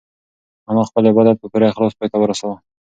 انا خپل عبادت په پوره اخلاص پای ته ورساوه.